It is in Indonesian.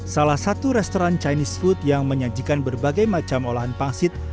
salah satu restoran chinese food yang menyajikan berbagai macam olahan pangsit